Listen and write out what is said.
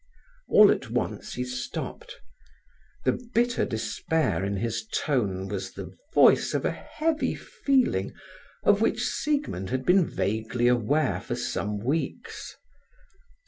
All at once he stopped. The bitter despair in his tone was the voice of a heavy feeling of which Siegmund had been vaguely aware for some weeks.